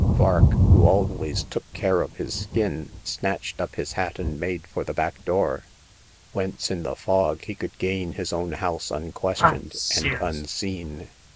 Vark, who always took care of his skin, snatched up his hat and made for the back door, whence, in the fog, he could gain his own house unquestioned and unseen.